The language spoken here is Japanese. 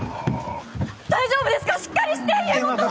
大丈夫ですか！？しっかりして家元！